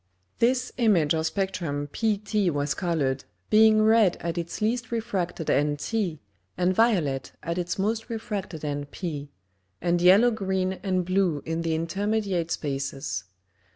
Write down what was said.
This Image or Spectrum PT was coloured, being red at its least refracted end T, and violet at its most refracted end P, and yellow green and blue in the intermediate Spaces.